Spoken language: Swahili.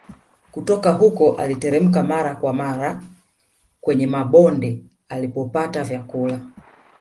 Kutoka huko aliteremka mara kwa mara kwenye mabonde alipopata vyakula